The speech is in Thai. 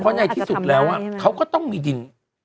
เพราะในที่สุดแล้วเขาก็ต้องมีดิน